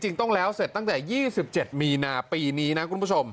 ต้องแล้วเสร็จตั้งแต่๒๗มีนาปีนี้นะคุณผู้ชม